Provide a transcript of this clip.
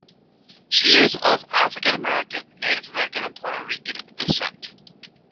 She is of African American, Native American and Puerto Rican descent.